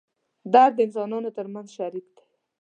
درد د انسانانو تر منځ شریک دی.